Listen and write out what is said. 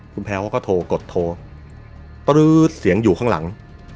คุณแพลวเขาก็โทรกดโทรปลื้อเสียงอยู่ข้างหลัง